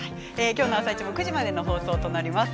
きょうの「あさイチ」９時までの放送とられます。